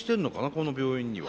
この病院には。